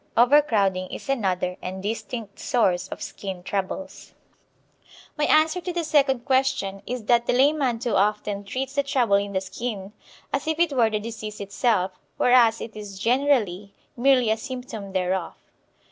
Overcrowding is another and distinct source of skin troubles. My answer to the second question is that the layman too often treats the trouble in the skin as if it were the disease itself, whereas it is, generally, merely a symptom thereof.